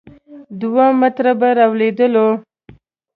دوه متره به راولوېدو.